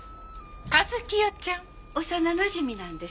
和清ちゃん？幼なじみなんです。